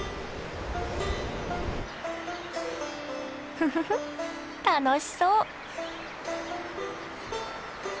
フフフフッ楽しそう。